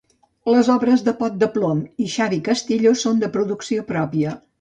Les obres de Pot de Plom i Xavi Castillo són de producció pròpia.